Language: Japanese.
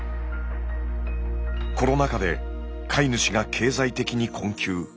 コロナ禍で飼い主が経済的に困窮。